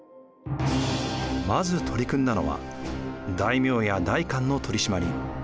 まず取り組んだのは大名や代官の取り締まり。